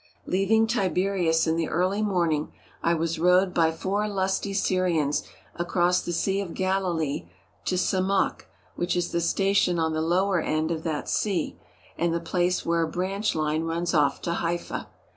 Leaving Tiberias in the early morning, I was rowed by four lusty Syrians across the Sea of Galilee to Semakh, which is the station on the lower end of that sea and the place where a branch line runs off to Haifa.